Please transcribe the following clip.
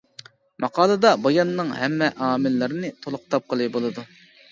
ماقالىدا باياننىڭ ھەممە ئامىللىرىنى تولۇق تاپقىلى بولىدۇ.